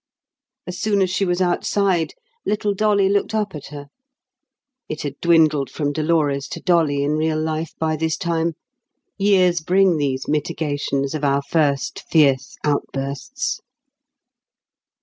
As soon as she was outside, little Dolly looked up at her. (It had dwindled from Dolores to Dolly in real life by this time; years bring these mitigations of our first fierce outbursts.)